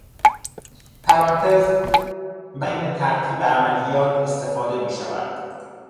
پرانتز برای تعیین ترتیب عملیات استفاده میشود